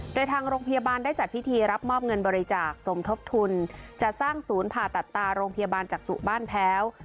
โดยทางโรงพยาบาลได้จัดพิธีรับมอบเงินบริจาคสมทบทุนจัดสร้างศูนย์ผ่าตัดตาโรงพยาบาลจักษุบ้านแพ้ว